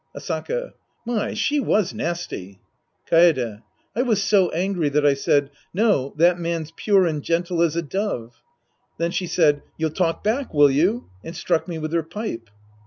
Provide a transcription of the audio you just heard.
Asaka. My, she was nasty, Kaede. I was so angry that I said, " No, that man's pure and gentle as a dove." Then she said, " You'll talk back, will you ?" and struck me with her pipe.